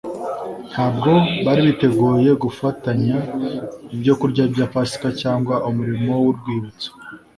Ntabwo bari biteguye gufatanya ibyo kurya bya Pasika cyangwa umurimo w'urwibutso